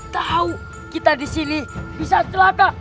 tahu kita disini bisa celaka